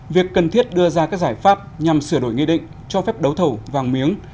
việc cần thiết đưa ra các giải pháp nhằm sửa đổi nghị định cho phép đấu thầu vàng miếng